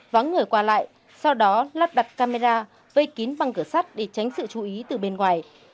vắng người qua lại sau đó lắp đặt camera vây kín bằng cửa sắt để tránh sự chú ý từ bên ngoài